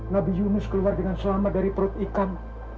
nabi yunus keluar dengan selamat dari perut ikan